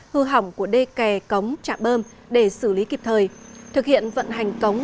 hư hỏng của đê kè cống trạm bơm để xử lý kịp thời thực hiện vận hành cống